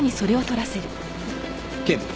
警部。